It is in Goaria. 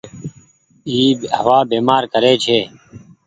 اي هوآ بيمآر ڪري ڇي۔